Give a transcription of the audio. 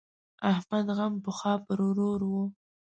احمد غم پخوا پر ورور وو.